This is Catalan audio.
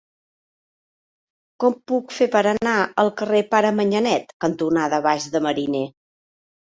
Com ho puc fer per anar al carrer Pare Manyanet cantonada Baix de Mariner?